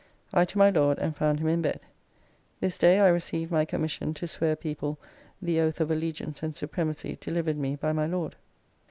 I to my Lord and found him in bed. This day I received my commission to swear people the oath of allegiance and supremacy delivered me by my Lord.